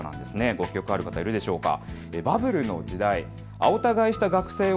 ご記憶ある方、いるでしょうか。